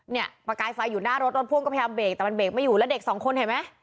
ประกายไฟอยู่หน้ารถรถพ่วงก็พยายามเบรกแต่มันเบรกไม่อยู่แล้วเด็กสองคนเห็นไหม